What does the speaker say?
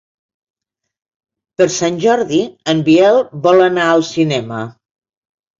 Per Sant Jordi en Biel vol anar al cinema.